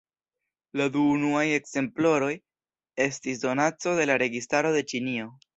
La du unuaj ekzempleroj estis donaco de la registaro de Ĉinio.